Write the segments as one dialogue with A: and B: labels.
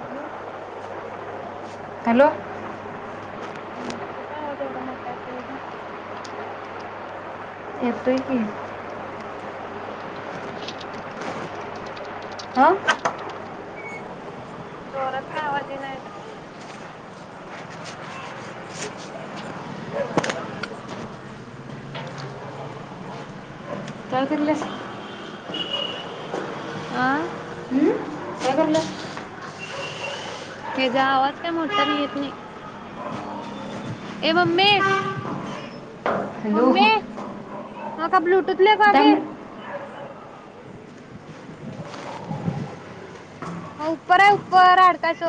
A: Hello.
B: Hello.
A: हम् कुठं आवाज मोठा आहे ते ना.
B: येतोय की.
A: [inaudible]
B: [inaudible]
A: जोरात का आवाजी दे नाही शक. [unintelligible]
B: त्याल टिमले
A: आह..
B: आ.
A: हचा आवाज काही मोठा नाही येत नाही. ए मम्मी.
B: हॅलो.
A: हा का ब्लूट
B: [unintelligible]
A: ह उप्पर आहे उप्पर हडकायच.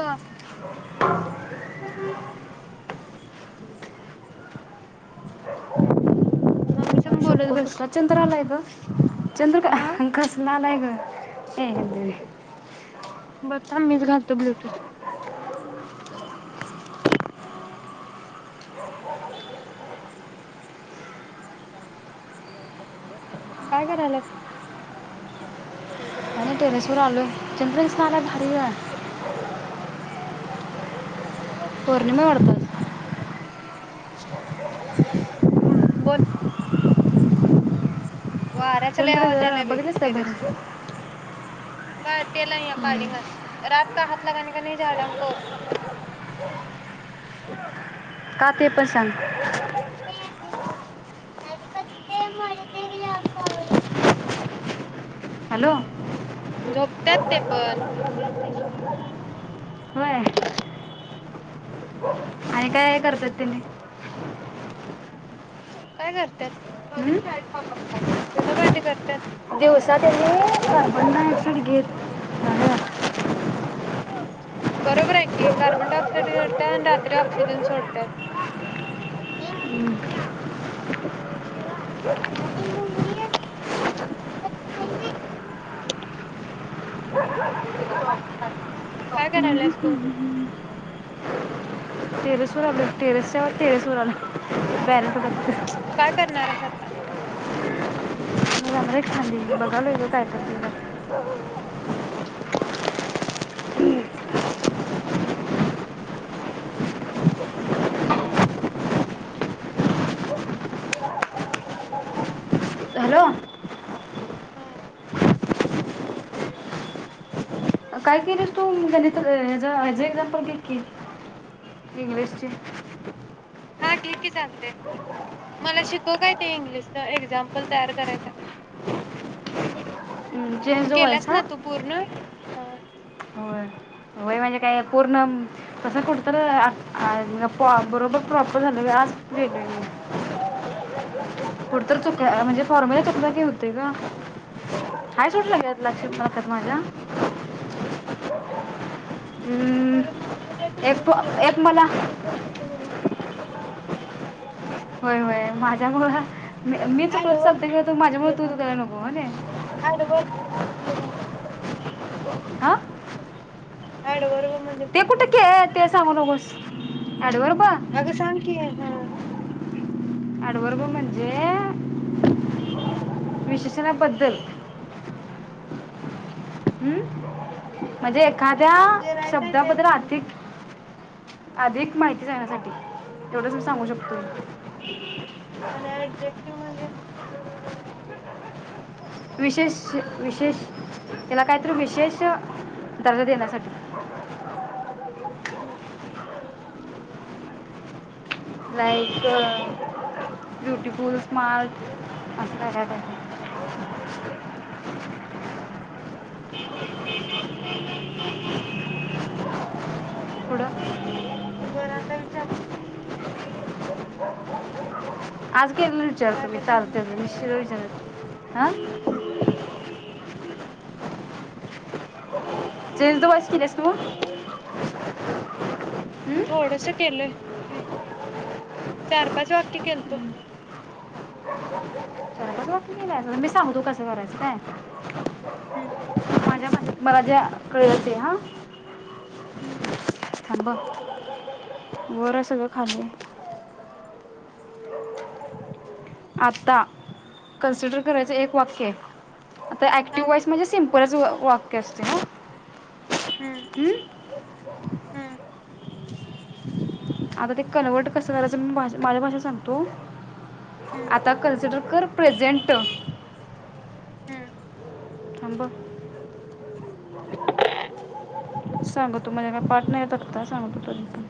A: हम्म मम्मीचं
B: स्वच्छंत्रालयात. चंद्र का
A: आ
B: हांकासला नाही. ह [unintelligible]
A: बस थांब मीच घालतो ब्लूटूथ. काय करायल्यात?
B: आम्ही टेरेस वर आलो चंदन सारा भरीव आहे. पौर्णिमा वाढतात.
A: हम् बोल. वाऱ्याचा लय
B: चंद्र
A: आवाज यायलाय
B: ग
A: बाई
B: बगलेस तर
A: टेरेस
B: भारी.
A: बर तेला या
B: हं.
A: पडिंगास रात का हात लगने का नाही झाडांको.
B: का ते पण सांग.
A: [unintelligible]
B: हॅलो.
A: झोपत्यात ते पण.
B: होय आणि काय करतात तुम्ही?
A: काय ग? त्यात
B: हं?
A: दोन्हींच्या [unintelligible] धुणं भांडे करतात.
B: दिवसा त्यांनी [unintelligible]
A: बरोबर आहे की, कार्बन डायॉक्स त ते टॅन रात्री ऑक्सिजन सोडत्यात. [inaudible] [unintelligible]
B: हम्म ह
A: करायलास तू
B: हम् ह हम्. टेरेस वर आलोय टेरेसच्या टेरेसवर आलोय बॅलन्स संपलाय.
A: काय करणार आहेस आता.
B: मी जाणारे खाली. यायलोय ग काय करतीस बघायला. हॅलो.
A: हम्.
B: काय केलीस तू गणितच अ [unintelligible] घे कि इंग्लिशची.
A: हा घे की चालतयं मला शिकव काय ते इंग्लिशचं एक्झामपल तयार करायच.
B: चेंज द
A: केल्यास
B: वॉईस हां
A: ना तू पूर्ण. हा.
B: होय होय म्हणजे काय पूर्ण कस खोलू? तर अ आ बरोबर प्रॉपर झालं व्हय असत्यांत वेगळ वेगळी पुढं तर चुका अ म्हणजे फॉर्म्युला चूकला की हुतय गं सोड लगेच लक्ष्यात नसत्यात माझ्या हम्म,
A: तर माझं काय चूकवू
B: एक
A: नकोस
B: एक मला
A: आणि तू पण चुकू नकोस.
B: होय होय माझ्या मुळ मी मी
A: ऍड
B: चुकलं तर
A: वर
B: चालतंय खर माझ्यामुळे तू चुकायला नको व्हनी
A: ऍड वर
B: आ.
A: एडवर्ब.
B: ते कुठं केलं? ते सांगू नगोस. एडवर्ब.
A: अगं सांग की हा.
B: एडवर्ब म्हणजे विशेषणाबद्दल हम्म म्हणजे एखाद्या
A: जे राईट आहे तेच
B: शब्दाबद्दल
A: सांग
B: अधिक अधिक माहिती सांगण्यासाठी, तेवढच मी सांगू शकतोय.
A: आणि अडजेक्टिव म्हणजे
B: विशेष विशेष याला काहीतरी विशेष दर्जा देण्यासाठी.
A: हम्म.
B: लाईक ब्युटिफूल स्मार्ट असं का
A: हम्म.
B: पुढ.
A: बरं आता विचार
B: आज
A: तू
B: केचल
A: काय
B: तुमही
A: काय
B: त
A: सांगणार
B: निशचयल [inaudible] आ
A: हम्म.
B: जल तुबा कनसो [unintelligible]
A: थोडंस केलंय. ह चार पाच वाक्य केलतो.
B: चारपाच वाटलं मी सांगूतो कसं करायचं काय?
A: हम्म.
B: माझ्या मला ज्या कळते हा.
A: हम्म.
B: ल ब बर सगळं खाल्ली. आता कन्सिडर करायचं, एक वाक्य ते
A: थांब
B: ऍक्टिव्हॉइस म्हणजे सिम्प कुणाच वा वाक्य असते हा हम्म.
A: हम्म,
B: आता ते कन्व्हर्ट कसं करायचं, मी माज़ माझ्या भाषेत सांगतो.
A: हम्म,
B: आता कन्सिडर कर. प्रेझेंट
A: हम्म.
B: थांब.
A: [inaudible]
B: सांगतू माझ्या काय पाट नाही तक्ता, सांगतो तरी पण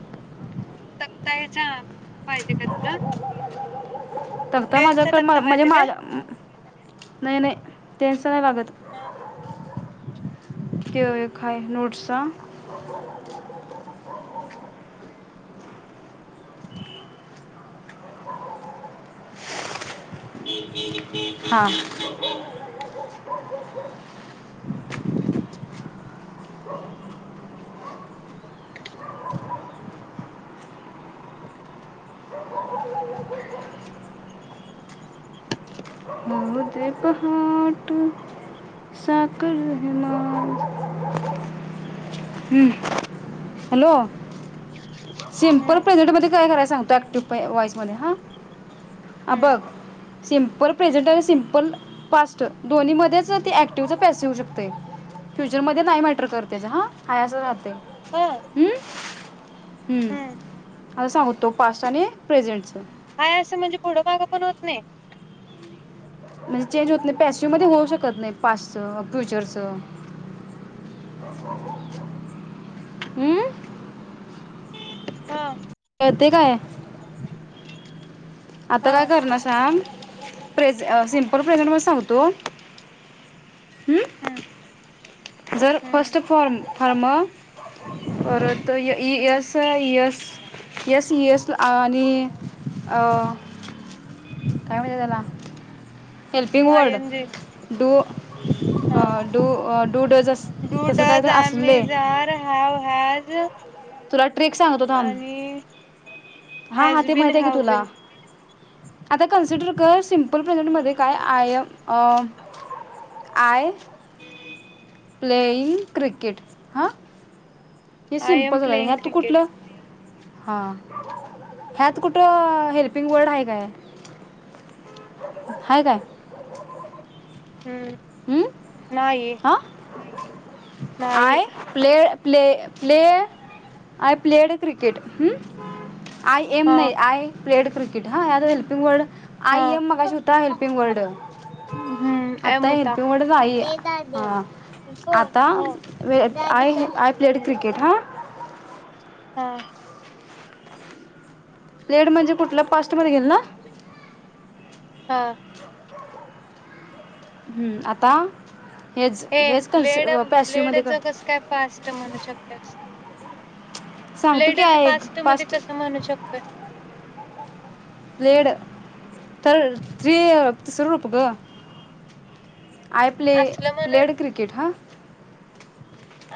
A: तक्ता याचा पाहिजे का तुला
B: तक्ता
A: टेन्सचा
B: माझ्याक म
A: तक्ता
B: म्हजे
A: पाहिजे काय
B: माझ्या नई नई. तेच त नाई लागत. त्यो एक हाय नोट्सचा हा. [inaudible] [inaudible]
A: [inaudible]
B: होऊदे पहाट साकर हे माझं, हम्म हॅलो?
A: ह
B: सिमपल प्रेझेंट मध्ये काय करायचं? सांगतो ऍक्टिव पै वॉईसमध्ये हा अ बग सिम्पल प्रेझंट आणि सिम्पल पास्ट दोन्ही मध्येच ते ऍक्टिव्हचा पॅसिव होऊ शकतय, फ्युचरमध्ये नाई मॅटर कर तेज हा हाय अस राहतय.
A: ह.
B: हम्म. [unintelligible] सांगतो पास्ट आणि प्रेझेंटच
A: हाय असं म्हणजे पुढं मागं पण होत नई.
B: म्हणजे चेंज होत नई, पॅसिव मध्ये होऊ शकत नई पास्टच अ फ्युचरच हम्म
A: हा.
B: कळतंय काय? आता
A: ह
B: काय करणार सांग. प्रेझ अ सिंपल प्रेझेंट मध्ये सांगतो, हम्म जर फर्स्ट फॉर्म फारर्म परत य E S S S S आणि अ काय म्हत्यात त्याला helping
A: I
B: word
A: N G
B: do अ
A: हा
B: do a do does us
A: do
B: तसं काय
A: डज
B: तर असले.
A: आम्ही जार हॅव [unintelligible]
B: तुला ट्रीक सांगतो थांब,
A: आणि
B: हा हा
A: हॅज
B: ते
A: बिन
B: माहिताय की
A: हॅव
B: तुला
A: बिन
B: आता कन्सिडर तर सिम्पल प्रेझेंटमध्ये काय
A: हम्म
B: I. A I playing cricket. हा. हे
A: आय एम
B: सिम्पल झालं.
A: प्लेइंग
B: हयात तू
A: क्रिकेट
B: कुठलं हा ह्यात कुठ हेल्पिंग वर्ड आहे काय. हाय काय.
A: हम्म
B: हम्म
A: नाही
B: आ
A: नाही
B: I play play play I played cricket. Hum I am
A: हा
B: नाही. आय प्लेड क्रिकेट हा असं हेल्पिंग वर्ड
A: हा
B: आय एम मगाशी होता हेल्पिंग वर्ड.
A: हम्म
B: आत
A: एम
B: आता
A: होता
B: हेल्पिंग वर्ड जो आहे. हा आता आय आय प्लेड क्रिकेट हा.
A: हा.
B: पास्ट मध्ये गेल ना.
A: हा.
B: हम्म आता हेच
A: ये हे
B: हेच कन्सि
A: प्लेड
B: पॅशिवमध्ये
A: प्लेडच
B: क
A: कस काय पास्ट म्हणू शकतील.
B: सांगतो की
A: प्लेडच
B: आय एक
A: पास्ट मध्ये कसं म्हणू शकतो.
B: पलेड तर तिच रूप ग. आय प्ले
A: असलं म्हणून
B: प्लेड क्रिकेट हा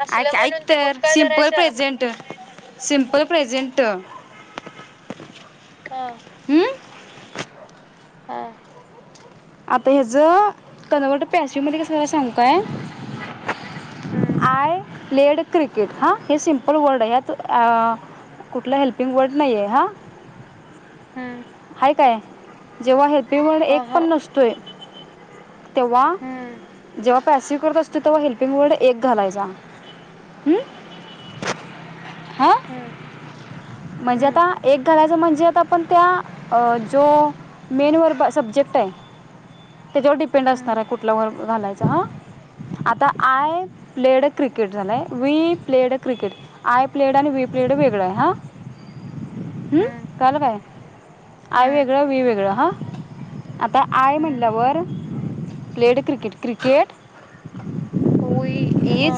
A: असलं
B: ऐक ऐक
A: म्हणून ते
B: तर
A: भूतकाळ
B: सिंपल
A: धरायचं
B: प्रेझेंट सिंपल प्रेझेंट. [inaudible]
A: हा
B: हम्म.
A: हा.
B: आता ह्याच कनवर्ट पॅसीव्ह मध्ये कसं सांगू काय?
A: हम्म
B: आय लेड क्रिकेट हा हे सिम्पल वर्ड आहे यात कुठलं हेल्पिंग वर्ड नाही आहे हां.
A: हम्म.
B: आहे काय जेव्हा हे -ल्पीग वर्ड
A: अ
B: एक
A: ह
B: पण नसत. तोय. तेव्हा
A: हम्म
B: जेव्हा पॅसिव्ह करत असतोयं तेव्हा हेल्पिंग वर्ड एक घालायचा हम.
A: हम्म.
B: म्हणजे
A: हम्म
B: आता एक घालायचं म्हणजे आता. पण त्या जो मेनवर सब्जेक्ट आहे. त्याच्यावर डिपेंड असणार आहे
A: हम्म
B: कुठल्या वर्ड घालायच हा. आता आय प्लेड क्रिकेट झालाय we played cricket I played आणि वी प्लेड वेगळं आहे. हा हम्म कळालं काय? आय
A: हम्म
B: वेगळं वी वेगळं हा. आता आय
A: हम्म
B: म्हणल्यावर प्लेड क्रिकेट क्रिकेट.
A: वूई हा.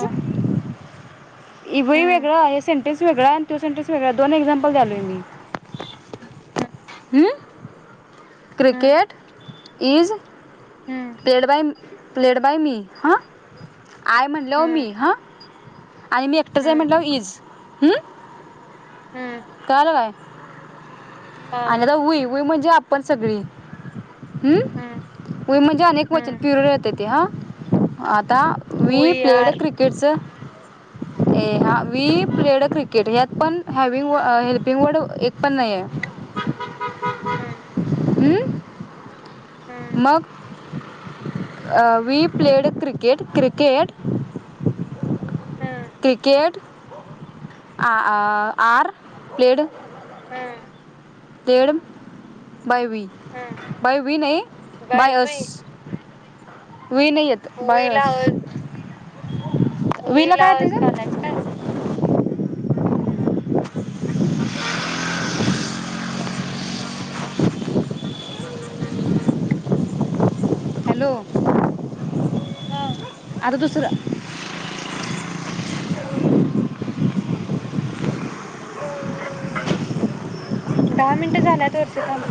B: वुई वेगळा हे सेंटे्स वेगळ. ते सेन्टेन्स वेगळं दोन एक्साम्पल्स द्यालोय मी.
A: हम्.
B: ह. Cricket. Is. Played by played by me हां. आय म्हणल्यावर मी हं आणि मी एकटं हाय म्हटल्यावर ईज. हम्म. कळालं काय? आणि तर उई [inaudible] व्हय म्हणजे आपण सगळी... हम्म? व्हय म्हणजे अनेक वचन पिरलेते. ते हा.. ता वी प्लेड क्रिकेटचं ते हा वुई प्लेड क्रिकेट ह्यात पण.. हॅविंग व हेल्पिंग वर्ड एक पण नाही आहे.
A: हं.
B: हंम. मग? अं, we played cricket cricket.. uh, are played -
A: हं.
B: Came - by we, by we नाही, बाय अस. वुई नियत बाय [unintelligible]
A: होई
B: विला काय येते
A: लाच [unintelligible]
B: का
A: काय [inaudible]
B: हॅलो.
A: हं..
B: आणि दुसरं..
A: [inaudible] दहा मिनिटं झाल्यात वरचे थांब.